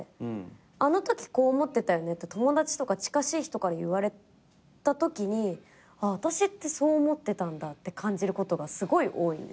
「あのときこう思ってたよね」って友だちとか近しい人から言われたときにああ私ってそう思ってたんだって感じることがすごい多い。